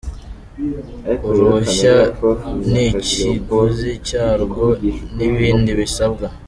Uruhushya n’ikiguzi cyarwo n’ibindi bisabwa